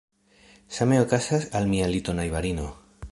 Same okazas al mia litonajbarino.